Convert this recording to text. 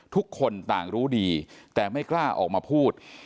ทุกคนต่างรู้ดีแต่ไม่กล้าออกมาพูด